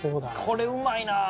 これうまいなあ。